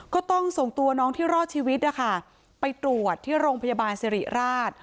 ก็ต้องส่งตัวน้องที่รอดชีวิตนะคะไปตรวจที่โรงพยาบาลสิริราช